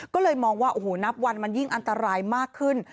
ก็เลยมองว่าโอ้โหนับวันมันยิ่งอันตรายมากขึ้น